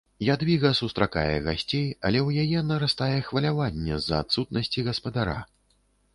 Ядвіга сустракае гасцей, але ў яе нарастае хваляванне з-за адсутнасці гаспадара.